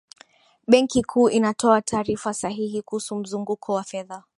benki kuu inatoa taarifa sahihi kuhusu mzunguko wa fedha